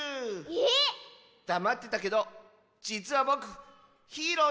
えっ⁉だまってたけどじつはぼくヒーローなんだ！